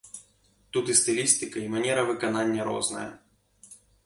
Тут і стылістыка, і манера выканання розныя.